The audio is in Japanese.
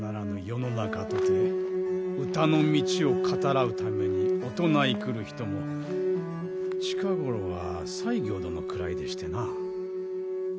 世の中とて歌の道を語らうためにおとないくる人も近頃は西行殿くらいでしてな。